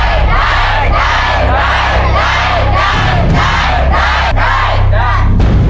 น้องยุ้ยทำได้หรือไม่ได้ครับ